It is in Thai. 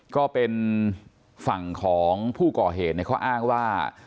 ก็เป็นฝั่งของผู้ก่อเหตุเขาอ้างว่า